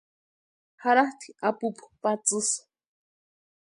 Jaratʼi apupu patsisï.